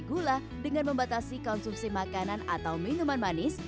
ia juga membuatnya lebih mudah untuk membatasi konsumsi makanan dan minuman manis